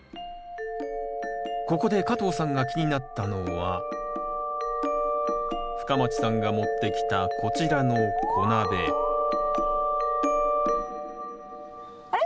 ここで加藤さんが気になったのは深町さんが持ってきたこちらの小鍋あれ？